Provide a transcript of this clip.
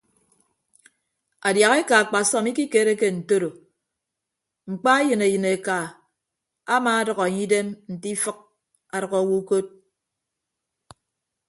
Adiahaeka akpasọm ikikereke ntoro mkpa eyịn eyịneka amaadʌk enye idem nte ifịk adʌk awo ukod.